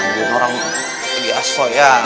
nganjurin orang biasa ya